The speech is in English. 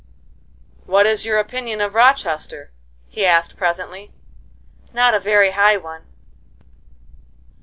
"What is your opinion of Rochester?" he asked, presently. "Not a very high one."